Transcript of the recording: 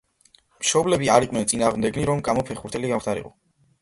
მშობლები არ იყვნენ წინააღმდეგნი, რომ კამო ფეხბურთელი გამხდარიყო.